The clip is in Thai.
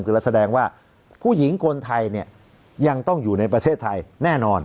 คือเราแสดงว่าผู้หญิงคนไทยเนี่ยยังต้องอยู่ในประเทศไทยแน่นอน